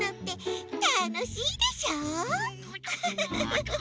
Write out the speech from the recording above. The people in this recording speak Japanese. フフフフ！